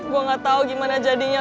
gue gak tau gimana jadinya